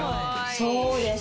そうです。